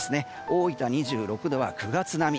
大分で２６度は９月並み。